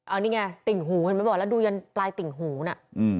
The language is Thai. อันนี้ไงติ่งหูเห็นไหมบอกแล้วดูยันปลายติ่งหูน่ะ